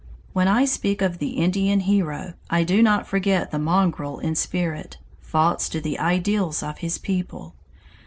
When I speak of the Indian hero, I do not forget the mongrel in spirit, false to the ideals of his people.